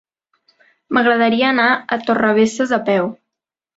M'agradaria anar a Torrebesses a peu.